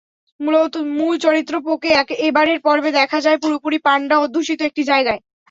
মূল চরিত্র পোকে এবারের পর্বে দেখা যায় পুরোপুরি পান্ডা-অধ্যুষিত একটি জায়গায়।